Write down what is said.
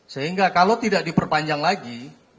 sehingga kalau tidak diperpanjang lagi